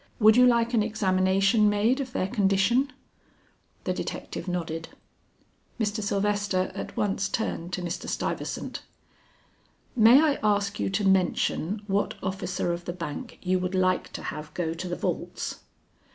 Would you like an examination made of their condition?" The detective nodded. Mr. Sylvester at once turned to Mr. Stuyvesant. "May I ask you to mention what officer of the bank you would like to have go to the vaults?"